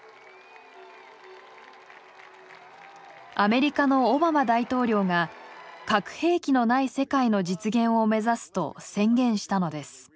アメリカのオバマ大統領が「核兵器のない世界」の実現を目指すと宣言したのです。